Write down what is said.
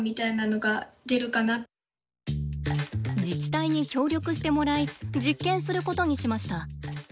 自治体に協力してもらい実験することにしました。